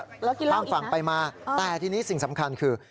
แล้วกินเรื่องอีกนะฟังไปมาแต่ทีนี้สิ่งสำคัญคือ